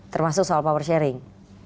termasuk soal power sharing